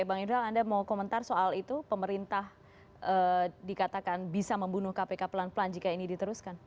bang idul anda mau komentar soal itu pemerintah dikatakan bisa membunuh kpk pelan pelan jika ini diteruskan